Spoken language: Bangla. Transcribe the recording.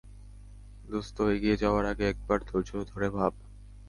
দোস্ত, এগিয়ে যাওয়ার আগে একবার ধৈর্য ধরে ভাব।